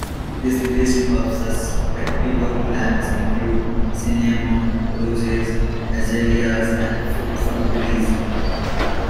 This list of susceptible plants includes cinnamon, roses, azaleas and fruit trees.